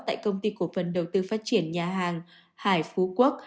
tại công ty cổ phần đầu tư phát triển nhà hàng hải phú quốc